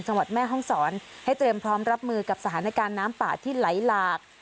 แม่ห้องศรให้เตรียมพร้อมรับมือกับสถานการณ์น้ำป่าที่ไหลหลาก